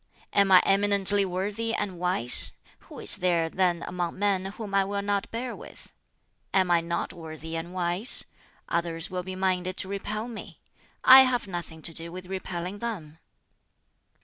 Am I eminently worthy and wise? who is there then among men whom I will not bear with? Am I not worthy and wise? others will be minded to repel me: I have nothing to do with repelling them."